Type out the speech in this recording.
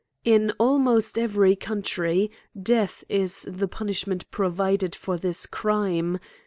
In almost every country, death is the pu nishment provided for thiscrime